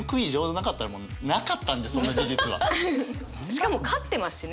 しかも勝ってますしね。